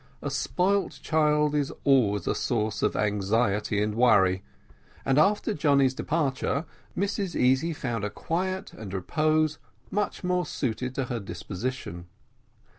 A spoiled child is always a source of anxiety and worry, and after Johnny's departure, Mrs Easy found a quiet and repose much more suited to her disposition.